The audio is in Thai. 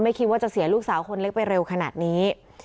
คิดว่าจะเสียลูกสาวคนเล็กไปเร็วขนาดนี้